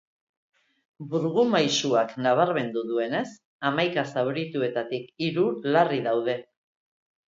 Burgumaisuak nabarmendu duenez, hamaika zaurituetatik hiru larri daude.